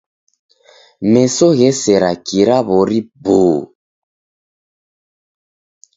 Meso ghesera kira w'ori buu.